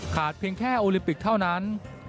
ขาดเพียงแค่อุลิปิกเท่านั้น